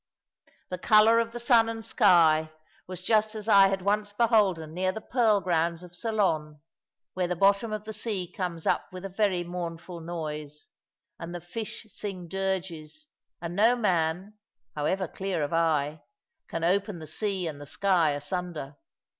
The colour of the sun and sky was just as I had once beholden near the pearl grounds of Ceylon, where the bottom of the sea comes up with a very mournful noise, and the fish sing dirges, and no man, however clear of eye, can open the sea and the sky asunder.